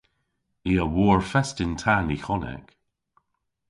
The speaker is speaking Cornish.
I a wor fest yn ta Nihonek.